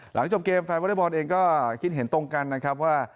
หลังจบเกมแฟนวอเล็กบอลเองก็คิดเห็นตรงกันนะครับว่า